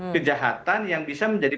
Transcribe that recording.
kejahatan yang bisa menjadi